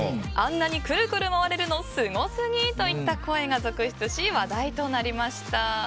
あんなにクルクル回れるのすごすぎ！といった声が続出し話題となりました。